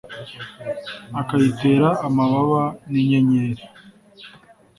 akayitera amababa ninyenyeri